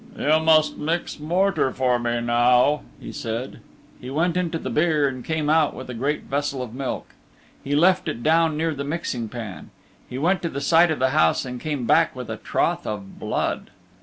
"You must mix mortar for me now," he said. He went into the byre and came out with a great vessel of milk. He left it down near the mixing pan. He went to the side of the house and came back with a trough of blood.